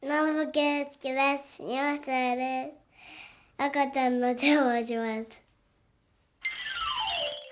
あかちゃんのせわをします。